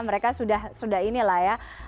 mereka sudah ini lah ya